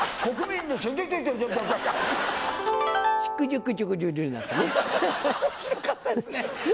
面白かったですね。